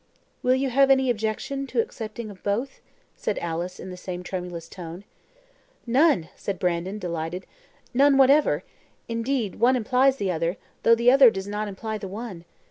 "Will you have any objection to accepting of both?" said Alice, in the same tremulous tone. "None," said Brandon, delighted, "none whatever; indeed, one implies the other, though the other does not imply the one.